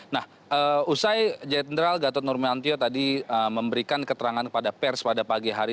nah usai jenderal gatot nurmantio tadi memberikan keterangan kepada pers pada pagi hari